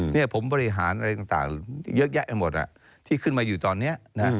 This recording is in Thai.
นี่ผมบริหารอะไรต่างเยอะแยะไปหมดที่ขึ้นมาอยู่ตอนนี้นะ